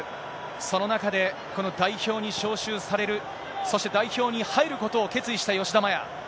その中で、この代表に招集される、そして代表に入ることを決意した吉田麻也。